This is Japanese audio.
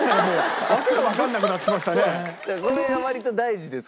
これが割と大事ですから。